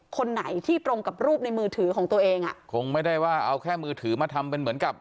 คนไหนที่ตรงกับรูปในมือถือของตัวเองอ่ะคงไม่ได้ว่าเอาแค่มือถือมาทำเป็นเหมือนกับ